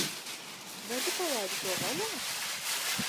Vai Tu palaidi to vaļā?